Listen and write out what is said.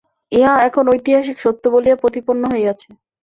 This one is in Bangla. ইহা এখন ঐতিহাসিক সত্য বলিয়া প্রতিপন্ন হইয়াছে।